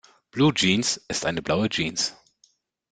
Bluejeans ist eine blaue Jeans.